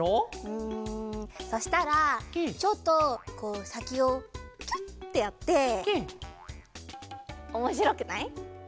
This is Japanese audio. うんそしたらちょっとさきをキュッてやっておもしろくない？